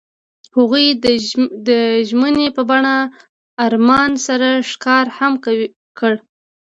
هغوی د ژمنې په بڼه آرمان سره ښکاره هم کړه.